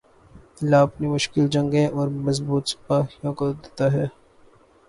اللہ اپنی مشکل جنگیں اپنے مضبوط سپاہیوں کو دیتا ہے